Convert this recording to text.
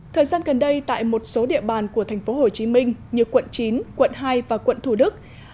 thời gian gần đây tại một số địa bàn của thành phố hồ chí minh như quận chín quận hai và quận thủ đức